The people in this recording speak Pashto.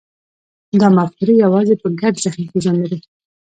دا مفکورې یوازې په ګډ ذهن کې ژوند لري.